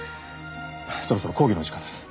そろそろ講義の時間です。